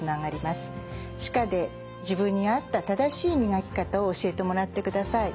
歯科で自分に合った正しい磨き方を教えてもらってください。